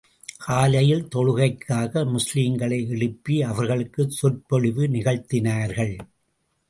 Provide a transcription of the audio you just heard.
காலையில் தொழுகைக்காக முஸ்லிம்களை எழுப்பி அவர்களுக்குச் சொற்பொழிவு நிகழ்த்தினார்கள்.